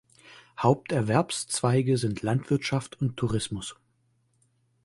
Haupterwerbszweige sind Landwirtschaft und Tourismus.